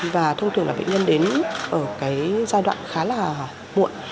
và thông thường là bệnh nhân đến ở cái giai đoạn khá là muộn